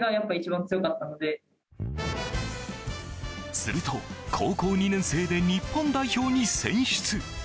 すると高校２年生で日本代表に選出。